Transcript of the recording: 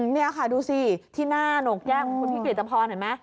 นี่ค่ะดูสิที่หน้านกแก้มคุณพิกฤตภรณ์เห็นไหม